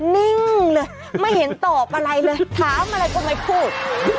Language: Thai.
นิ่งเลยไม่เห็นตอบอะไรเลยถามอะไรก็ไม่พูด